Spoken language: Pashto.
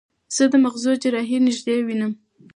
زه د مغزو جراحي نږدې وینم.